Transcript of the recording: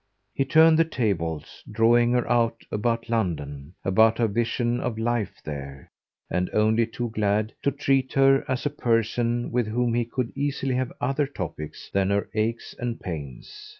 He turned the tables, drawing her out about London, about her vision of life there, and only too glad to treat her as a person with whom he could easily have other topics than her aches and pains.